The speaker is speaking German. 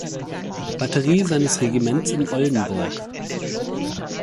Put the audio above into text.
Batterie seines Regiments in Oldenburg.